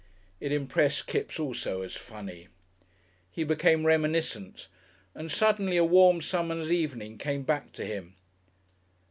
It impressed Kipps also as funny. He became reminiscent, and suddenly a warm summer's evening came back to him.